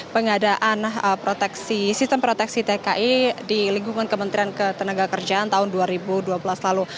pengadaan sistem proteksi tki di lingkungan kementerian ketenaga kerjaan tahun dua ribu dua belas lalu